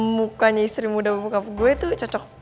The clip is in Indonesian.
mukanya istri muda bokap gue tuh cocok